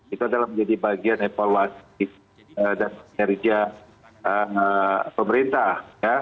itu adalah menjadi bagian evaluasi dan kinerja pemerintah